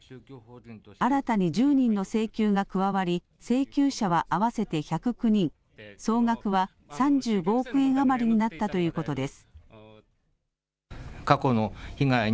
新たに１０人の請求が加わり、請求者は合わせて１０９人、総額は３５億円余りになったということです。